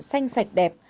xanh sạch đẹp